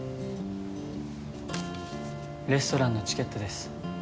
レストランのチケットです。